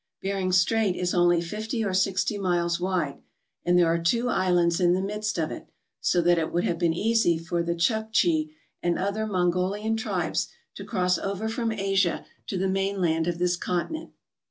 Bering Strait is only fifty or sixty miles wide, and there are two islands in the midst of it, so that it would have been easy for the Chukchi and other Mongolian tribes to cross over from Asia to the mainland of this continent.